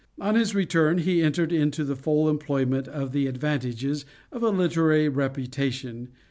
On his return he entered into the full enjoyment of the advantages of a literary reputation.